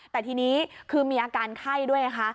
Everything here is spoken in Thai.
แต่ทีนี้คือมีอาการไข้ด้วยนะคะ